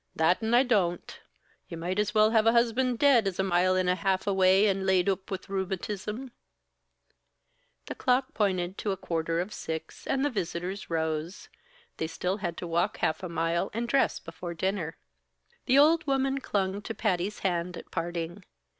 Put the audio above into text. "That an' I don't! You might as well have a husband dead, as a mile an' a half away an' laid oop with rheumatism." The clock pointed to a quarter of six, and the visitors rose. They had still to walk half a mile and dress before dinner. The old woman clung to Patty's hand at parting.